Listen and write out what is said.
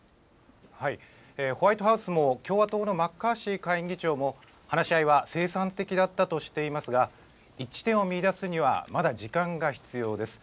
ホワイトハウスも、共和党のマッカーシー下院議長も、話し合いは生産的だったとしていますが、一致点を見いだすにはまだ時間が必要です。